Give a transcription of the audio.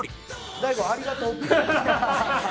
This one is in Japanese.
「大悟ありがとう」。